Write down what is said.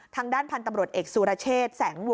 ทางด้านพันธุ์ตำรวจเอกสุรเชษแสงวัว